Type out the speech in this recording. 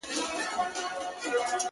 په دې زور سو له لحده پاڅېدلای!.